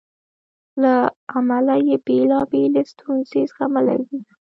له امله یې بېلابېلې ستونزې زغملې دي.